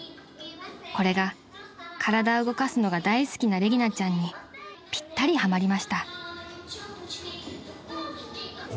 ［これが体を動かすのが大好きなレギナちゃんにぴったりハマりました］